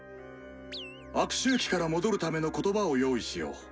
悪周期から戻るための言葉を用意しよう。